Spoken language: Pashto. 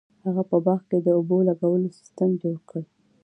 هغه په باغ کې د اوبو لګولو سیستم جوړ کړ.